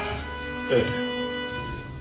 ええ。